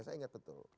saya ingat betul